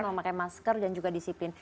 mau pakai masker dan juga disiplin